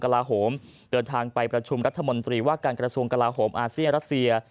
ลาโหมเดินทางไปประชุมรัฐมนตรีว่าการกระทรวงกลาโหมอาเซียนรัสเซีย